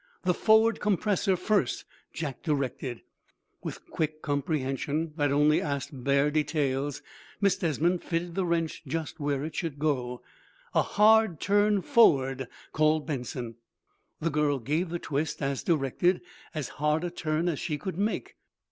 "The forward compressor, first," Jack directed. With a quick comprehension that asked only bare details, Miss Desmond fitted the wrench just where it should go. "A hard turn forward," called Benson. The girl gave the twist, as directed, as hard a turn as she could make.